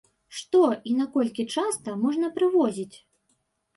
Што і наколькі часта можна прывозіць?